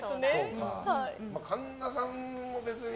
神田さんも別に。